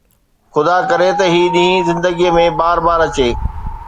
خدا ڪري ته هي ڏينهن زندگي ۾ بار بار اچي